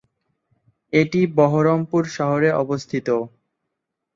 এটি বহরমপুর শহরে অবস্থিত।